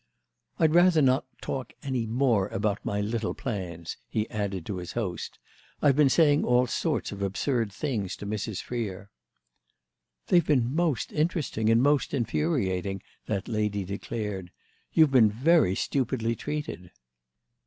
"I'd rather not talk any more about my little plans," he added to his host. "I've been saying all sorts of absurd things to Mrs. Freer." "They've been most interesting and most infuriating," that lady declared. "You've been very stupidly treated."